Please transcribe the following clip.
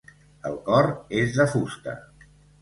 El cor és de fusta.